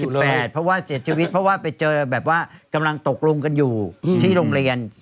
เพราะว่าเสียชีวิตเพราะว่าไปเจอแบบว่ากำลังตกลงกันอยู่ที่โรงเรียน